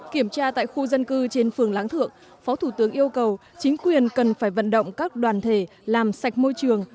kiểm tra tại khu dân cư trên phường láng thượng phó thủ tướng yêu cầu chính quyền cần phải vận động các đoàn thể làm sạch môi trường